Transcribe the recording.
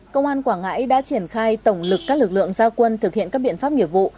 công an quảng ngãi đã triển khai tổng lực các lực lượng gia quân thực hiện các biện pháp nghiệp vụ